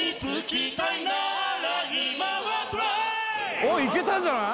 おおおっいけたんじゃない！？